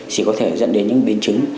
thì có thể dẫn đến những biên chứng